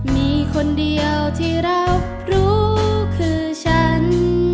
มีคนเดียวที่รับรู้คือฉัน